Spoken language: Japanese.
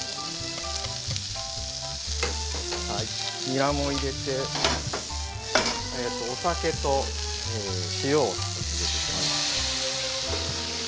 にらも入れてお酒と塩を入れていきます。